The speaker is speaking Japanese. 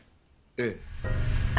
ええ。